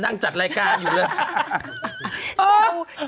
จัดรายการอยู่เลย